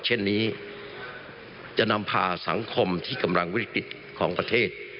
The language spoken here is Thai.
เช่นนี้จะนำพาสังคมที่กำลังวิกฤตของประเทศ